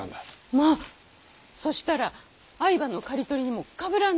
まぁそしたら藍葉の刈り取りにもかぶらんねぇ。